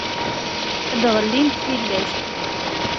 ad d-ɣellint tillas.